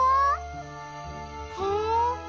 へえ。